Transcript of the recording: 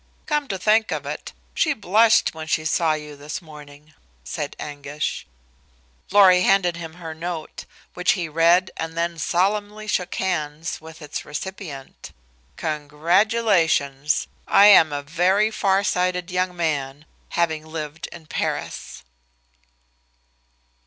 Come to think of it, she blushed when she saw you this morning," said Anguish. Lorry handed him her note, which he read and then solemnly shook hands with its recipient. "Congratulations. I am a very farsighted young man, having lived in Paris."